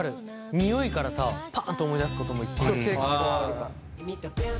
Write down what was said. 匂いからさパッと思い出すこともいっぱいあるよね。